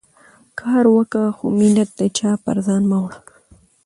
کار وکه، خو مینت د چا پر ځان مه وړه.